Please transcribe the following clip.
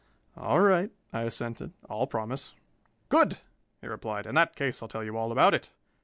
"All right," I assented, "I'll promise." "Good!" he replied. "In that case, I'll tell you all about it.